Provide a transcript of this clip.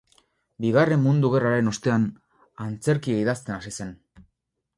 Bigarren Mundu Gerraren ostean, antzerkia idazten hasi zen.